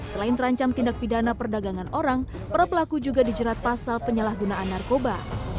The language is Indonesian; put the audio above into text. selain terancam tindak pidana perdagangan orang para pelaku juga dijerat pasal penyalahgunaan narkoba